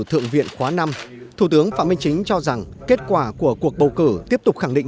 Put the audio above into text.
thượng viện khóa năm thủ tướng phạm minh chính cho rằng kết quả của cuộc bầu cử tiếp tục khẳng định